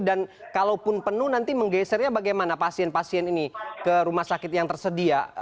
dan kalau pun penuh nanti menggesernya bagaimana pasien pasien ini ke rumah sakit yang tersedia